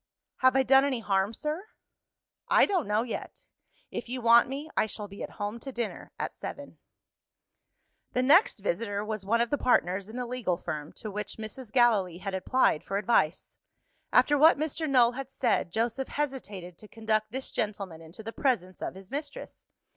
"Have I done any harm, sir?" "I don't know yet. If you want me, I shall be at home to dinner at seven." The next visitor was one of the partners in the legal firm, to which Mrs. Gallilee had applied for advice. After what Mr. Null had said, Joseph hesitated to conduct this gentleman into the presence of his mistress.